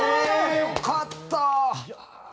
よかった！